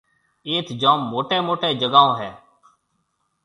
ايٿ جوم موٽيَ موٽيَ جگھاهون هيَ۔